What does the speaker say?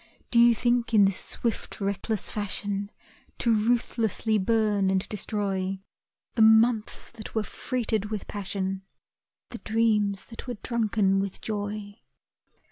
Do you think in this swift reckless fashion To ruthlessly burn and destroy The months that were freighted with passion, The dreams that were drunken with joy?